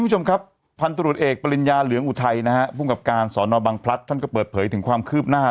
ผู้ชมครับพันธุรกีษเอกบริญญาเหลืองอุทัยนะกับการศรบังพลัสทั้งเปิดเผยถึงความคืบ